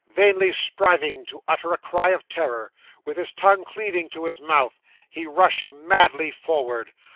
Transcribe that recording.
Vainly striving to utter a cry of terror, with his tongue cleaving to his mouth, he rushed madly forward.